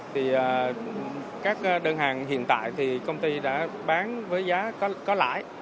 thì các đơn hàng hiện tại thì công ty đã bán với giá có lãi